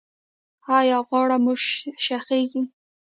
ایا غاړه مو شخیږي؟